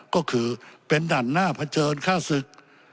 ก็คือเป็นด่านหน้าเผชิญฆ่าศึก